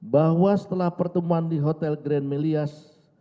bahwa setelah pertemuan di hotel grand melias